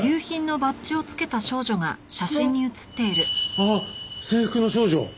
あっ制服の少女！